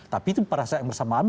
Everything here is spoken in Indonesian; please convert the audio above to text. tapi itu pada saat yang bersamaan